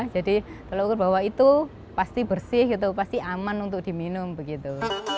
jadi tolok ukur bahwa itu pasti bersih gitu pasti aman untuk diminum begitu